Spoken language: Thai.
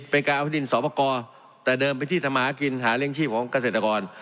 เป็นการเอาดินสอบกรแต่เดิมไปที่ทำหากินหาเลี้ยงชีพของเกษตรกร